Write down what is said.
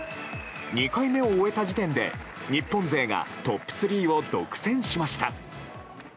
２回目を終えた時点で日本勢がトップ３を独占しました。